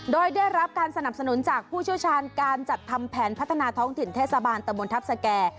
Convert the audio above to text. โดยได้รับการสนับสนุนจากผู้เชี่ยวชาญการจัดทำแผนพัฒนาท้องถิ่นเทศบาลตะบนทัพสแก่